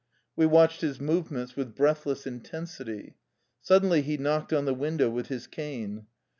We watched his move ments with breathless intensity. Suddenly he knocked on the window with his cane.